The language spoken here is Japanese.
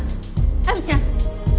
亜美ちゃん